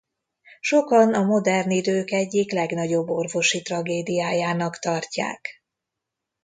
Sokan a modern idők egyik legnagyobb orvosi tragédiájának tartják.